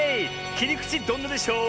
「きりくちどんなでショー」